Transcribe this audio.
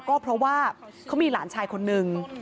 ก็เพราะว่าเขามีหลานชายคนนึง